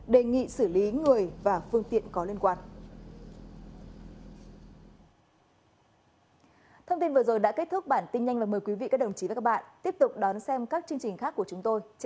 đề nghị xử lý người và phương tiện có liên quan